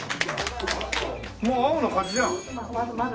もう青の勝ちじゃん。